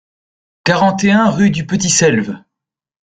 quarante et un rue du Petit Selve